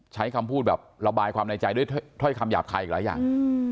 ใช้คำพูดแบบระบายความในใจด้วยถ้อยคำหยาบคายอีกหลายอย่าง